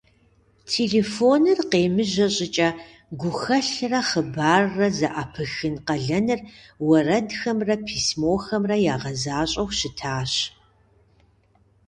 Телефоныр къемыжьэ щӀыкӀэ, гухэлърэ хъыбаррэ зэӀэпыхын къалэныр уэрэдхэмрэ письмохэмрэ ягъэзащӀэу щытащ.